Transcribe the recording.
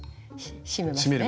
締めますね。